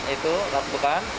itu lalu bukan